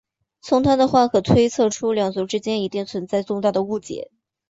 从她的话可推测出两族之间一定存在重大的误解。